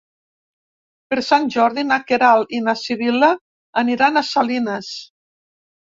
Per Sant Jordi na Queralt i na Sibil·la aniran a Salines.